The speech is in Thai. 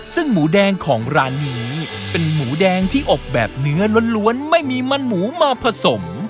ซึ่งหมูแดงของร้านนี้เป็นหมูแดงที่อบแบบเนื้อล้วนไม่มีมันหมูมาผสม